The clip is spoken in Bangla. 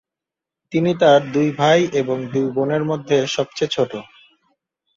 তিনি তার দুই ভাই এবং দুই বোনের মধ্যে সবচেয়ে ছোট।